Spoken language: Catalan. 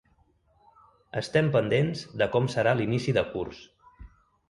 Estem pendents de com serà l’inici de curs.